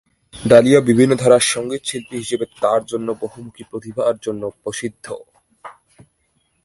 Dahlia বিভিন্ন ধারার সঙ্গীতশিল্পী হিসেবে তার তার বহুমূখী প্রতিভার জন্য প্রসিদ্ধ।